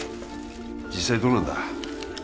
実際どうなんだ？